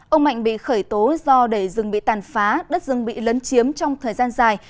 ông mạnh bị khởi tố do đầy rừng bị tàn phá đất rừng bị lấn chiếm trong thời gian dài